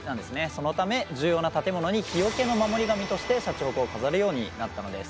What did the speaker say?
そのため重要な建物に火除けの守り神としてシャチホコを飾るようになったのです。